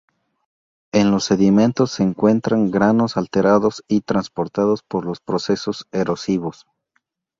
En los sedimentos se encuentran granos alterados y transportados por los procesos erosivos.